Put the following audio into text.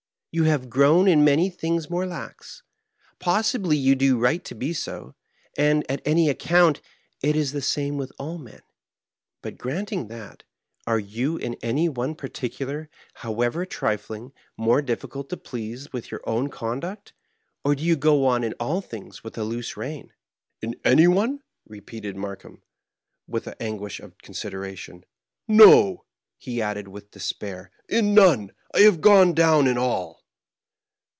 Ton have grown in many things more lax ; possibly you do right to be so ; and, at any account, it is the same with all men. But granting that, are you in any one particular, however trifling, more difficult to please with your own conduct, or do you go in all things with a loose rein ?" "In any one?" repeated Markheim, with an an guish of consideration. " No," he added, with despair, " in none ! I have gone down in all."